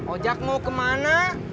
ojak mau kemana